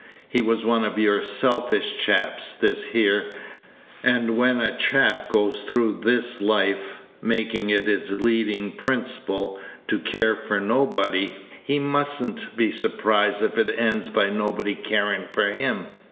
He was one of your selfish chaps, this here; and when a chap goes through this life makin' it his leadin' principle to care about nobody, he must n't be surprised if it ends by nobody carin' for him.